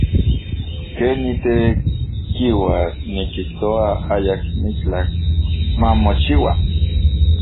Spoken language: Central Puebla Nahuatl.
Ken nitekiua, nikijtoa ayakmitlaj mamochiua.